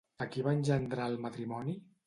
A qui va engendrar el matrimoni?